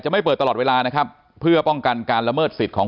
ไม่เปิดตลอดเวลานะครับเพื่อป้องกันการละเมิดสิทธิ์ของ